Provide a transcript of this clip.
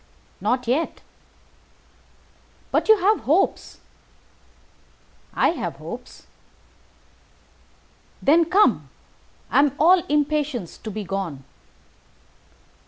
"Not yet." "But you have hopes?" "I have hopes." "Then come. I am all impatience to be gone."